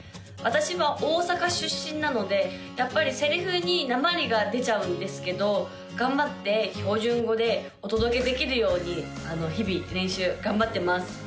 私は大阪出身なのでやっぱりセリフになまりが出ちゃうんですけど頑張って標準語でお届けできるように日々練習頑張ってます